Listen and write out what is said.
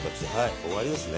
終わりですね。